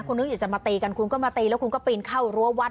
คุณนึกอยากจะมาตีกันคุณก็มาตีแล้วคุณก็ปีนเข้ารั้ววัด